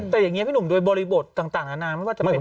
แต่อย่างนี้พี่หนุ่มโดยบริบทต่างนานาไม่ว่าจะเป็น